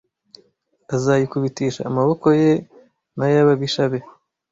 azayikubitisha amaboko ye nayababisha be